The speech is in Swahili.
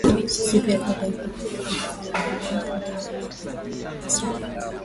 Siku ya dada ya kuzaliwa balimupa zawadi ya nguo ya bei sana